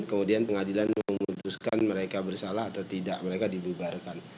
kemudian pengadilan memutuskan mereka bersalah atau tidak mereka dibubarkan